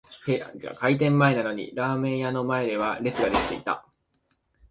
開店前なのにラーメン屋の前では列が出来ていた